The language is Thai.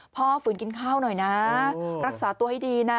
ฝืนกินข้าวหน่อยนะรักษาตัวให้ดีนะ